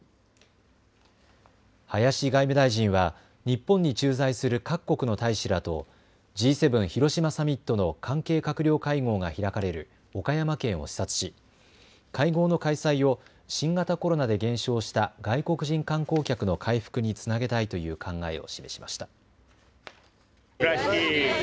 林外務大臣は日本に駐在する各国の大使らとＧ７広島サミットの関係閣僚会合が開かれる岡山県を視察し会合の開催を新型コロナで減少した外国人観光客の回復につなげたいという考えを示しました。